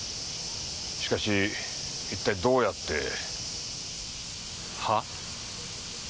しかし一体どうやって。は？